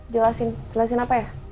jelasin jelasin apa ya